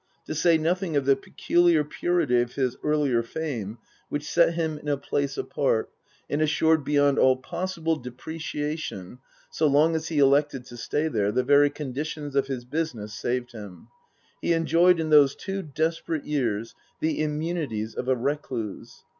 To say nothing of the peculiar purity of his earlier fame, which set him in a place apart and assured beyond all possible depreciation, so long as he elected to stay there, the very conditions of his business saved him. He enjoyed in those two desperate years the immunities of a recluse.